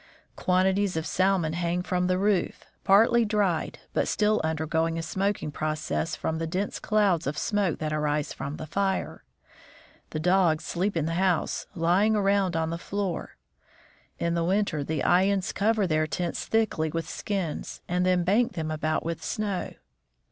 Quantities of salmon hang from the roof, partly dried, but still undergoing a smoking process from the dense clouds of smoke that arise from the fire. The dogs sleep in the house, lying around on the floor. In the winter the Ayans cover their tents thickly with skins and then bank them about with snow.